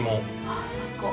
◆あー、最高。